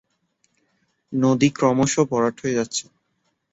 এ নদী ক্রমশ ভরাট হয়ে যাচ্ছে।